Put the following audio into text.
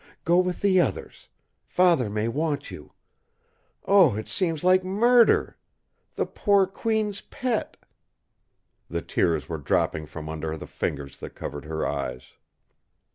Go with the others. Father may want you. Oh! it seems like murder! The poor Queen's pet...!" The tears were dropping from under the fingers that covered her eyes.